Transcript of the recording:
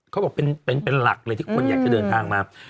เขาบอกเป็นหลักเลยที่คนอยากจะเดินทางมา